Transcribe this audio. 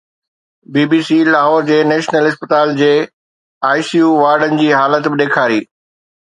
بي B C Lahore جي national اسپتال جي آءِ سي يو وارڊن جي حالت به ڏيکاري